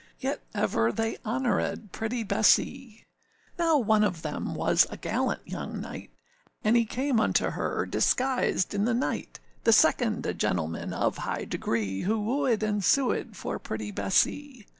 Yet ever they honourèd pretty Bessee. Now one of them was a gallant young knight, And he came unto her disguised in the night; The second, a gentleman of high degree, Who wooèd and suèd for pretty Bessee.